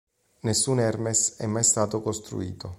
Nessun Hermes è mai stato costruito.